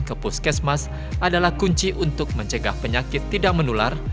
ke puskesmas adalah kunci untuk mencegah penyakit tidak menular